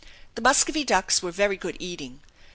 The muscovy ducks were very good eating.